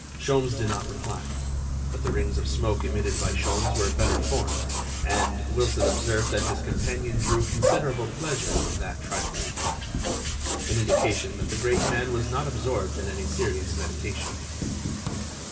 Sholmes did not reply, but the rings of smoke emitted by Sholmes were better formed, and Wilson observed that his companion drew considerable pleasure from that trifling fact—an indication that the great man was not absorbed in any serious meditation.